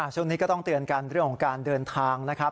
ช่วงนี้ก็ต้องเตือนกันเรื่องของการเดินทางนะครับ